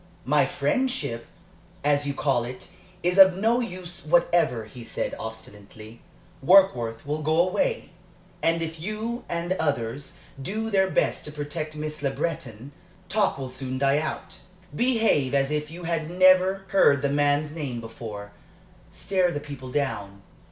"My friendship, as you call it, is of no use whatever," he said, obstinately. "Warkworth will go away, and if you and others do their best to protect Miss Le Breton, talk will soon die out. Behave as if you had never heard the man's name before stare the people down.